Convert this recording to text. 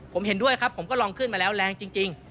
ผมเห็นด้วยครับผมก็ลองขึ้นมาแล้วแรงจริง